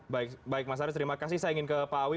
baik baik mas arief terima kasih saya ingin ke pak awi